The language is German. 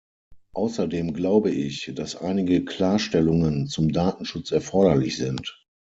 Außerdem glaube ich, dass einige Klarstellungen zum Datenschutz erforderlich sind.